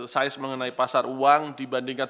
size mengenai pasar uang dibandingkan